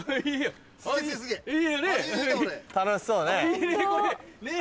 楽しそうね。ねぇ！